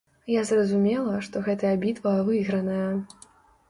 Я зразумела, што гэтая бітва выйграная.